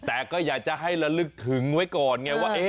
แต่ก็อยากจะให้ระลึกถึงไว้ก่อนไงว่า